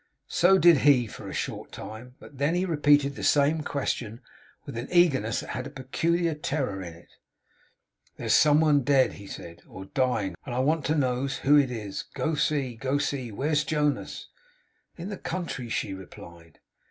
So did he for a short time; but then he repeated the same question with an eagerness that had a peculiar terror in it. 'There's some one dead,' he said, 'or dying; and I want to knows who it is. Go see, go see! Where's Jonas?' 'In the country,' she replied.